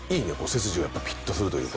背筋がピッとするというか。